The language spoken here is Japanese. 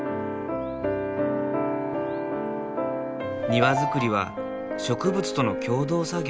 庭づくりは植物との共同作業。